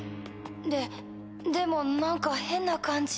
ででも何か変な感じ。